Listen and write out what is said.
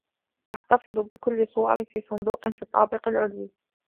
أحتفظ بكل صوري في صندوق في الطابق العلوي.